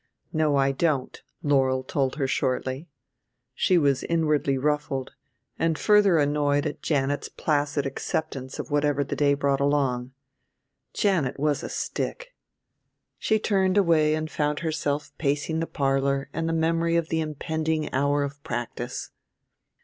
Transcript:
"No, I don't," Laurel told her shortly. She was inwardly ruffled, and further annoyed at Janet's placid acceptance of whatever the day brought along. Janet was a stick! She turned away and found herself facing the parlor and the memory of the impending hour of practice.